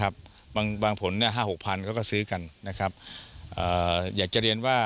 บางผล๕๖พันก็ซื้อกัน